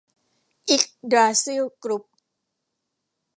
อิ๊กดราซิล กรุ๊ป